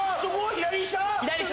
左下。